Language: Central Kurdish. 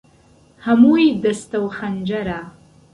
ههمووى دهستهو خهنجەره